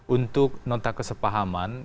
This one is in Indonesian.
untuk nota kesepahaman